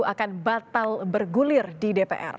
akan batal bergulir di dpr